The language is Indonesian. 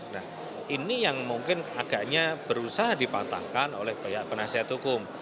nah ini yang mungkin agaknya berusaha dipatahkan oleh banyak penasihat hukum